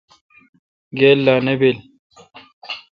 گیل لا نہ بیل۔